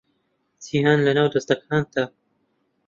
جیهان لەناو دەستەکانتە